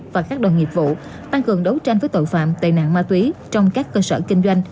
và các đồng nghiệp vụ tăng cường đấu tranh với tội phạm tệ nạn ma túy trong các cơ sở kinh doanh